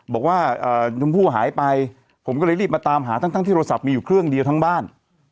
บอกว่าชมพู่หายไปผมก็เลยรีบมาตามหาทั้งที่โทรศัพท์มีอยู่เครื่องเดียวทั้งบ้าน